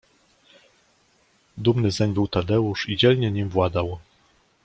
Dumny zeń był Tadeusz i dzielnie nim władał.